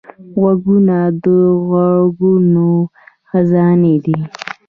غوږونه د غږونو خزانې دي